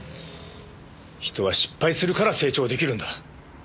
人は失敗するから成長出来るんだ。